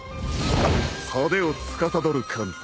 派手をつかさどる神。